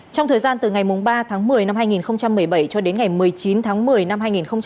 trong thời gian từ ngày ba tháng một mươi năm hai nghìn một mươi bảy cho đến ngày một mươi chín tháng một mươi năm hai nghìn một mươi chín